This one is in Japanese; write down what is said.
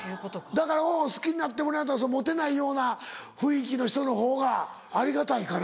だから好きになってもらうんやったらモテないような雰囲気の人のほうがありがたいかな。